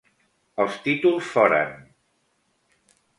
Els títols foren: